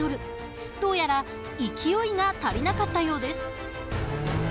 どうやら勢いが足りなかったようです。